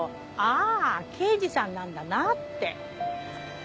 あ刑事さんなんだなって。